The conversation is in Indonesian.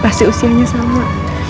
pasti usianya sama